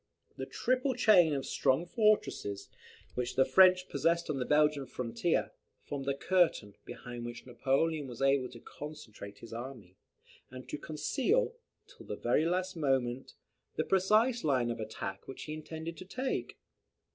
The triple chain of strong fortresses, which the French possessed on the Belgian frontier, formed a curtain, behind which Napoleon was able to concentrate his army, and to conceal, till the very last moment, the precise line of attack which he intended to take.